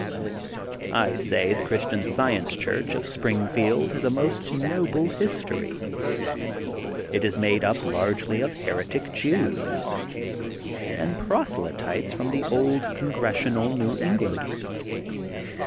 I say the Christian Science Church of Springfield has a most noble history. It is made up largely of heretic Jews and prose lytes from the old Congregational New Eng landers.